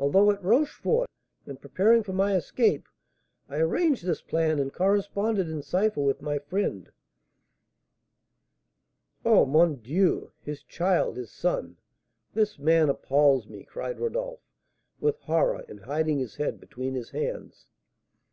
Although at Rochefort, and preparing for my escape, I arranged this plan and corresponded in cipher with my friend " "Oh, mon Dieu! his child! his son! This man appals me!" cried Rodolph, with horror, and hiding his head between his hands.